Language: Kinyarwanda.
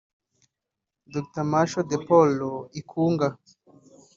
Dr Martial De-Paul Ikounga